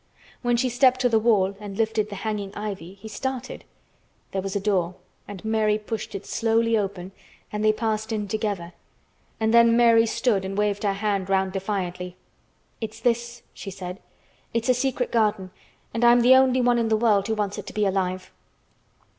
When she stepped to the wall and lifted the hanging ivy he started. There was a door and Mary pushed it slowly open and they passed in together, and then Mary stood and waved her hand round defiantly. "It's this," she said. "It's a secret garden, and I'm the only one in the world who wants it to be alive."